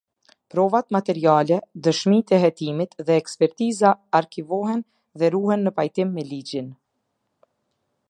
Provat materiale, dëshmitë e hetimit dhe ekspertiza arkivohen dhe ruhen në pajtim me ligjin.